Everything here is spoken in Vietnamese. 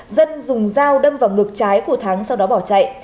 dân dùng dao đâm vào ngực trái của thắng sau đó bỏ chạy